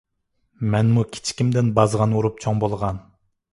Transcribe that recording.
مەنمۇ كىچىكىمدىن بازغان ئۇرۇپ چوڭ بولغان.